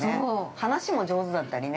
話も上手だったりね。